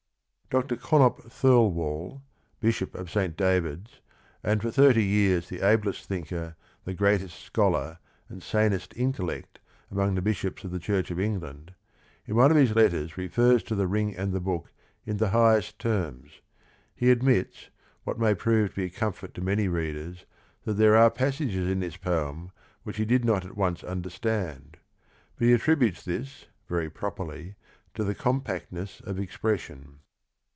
Dr. Connop Thirlwall, bishop of St. David's, and for thirty years the ablest thinker, the greatest scholar, and sanest intellect among the bishops of the Church of England, in one of his letters refers to The Ring and the Book in the highest terms: he admits, what may prove a comfort to many readers, that there are passages in the poem which he did not at once understand, but he attributes this very properly to the com pactness of expression.